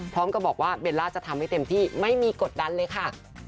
พร้อมกับบอกว่าเบลล่าจะทำให้เต็มที่ไม่มีกดดันเลยค่ะ